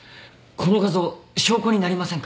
この画像証拠になりませんか？